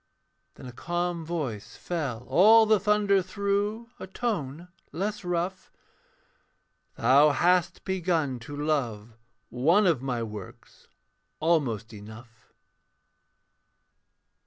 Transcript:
Then a calm voice fell all the thunder through, A tone less rough: 'Thou hast begun to love one of my works Almost enough.'